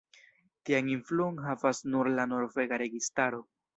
Tian influon havas nur la norvega registaro.